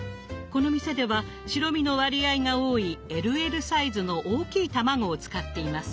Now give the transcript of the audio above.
この店では白身の割合が多いＬＬサイズの大きい卵を使っています。